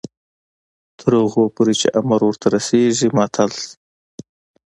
تر هغو پورې چې امر ورته رسیږي معطل شي.